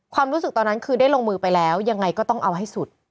ความรู้สึกตอนนั้นคือได้ลงมือไปแล้วยังไงก็ต้องเอาให้สุด